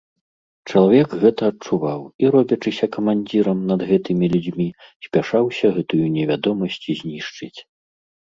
Чалавек гэта адчуваў і, робячыся камандзірам над гэтымі людзьмі, спяшаўся гэтую невядомасць знішчыць.